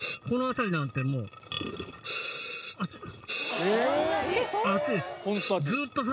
この辺りなんてもう、熱っ！